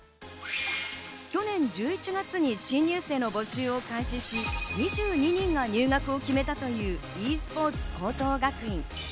去年１１月に新入生の募集を開始し、２２人が入学を決めたというｅスポーツ高等学院。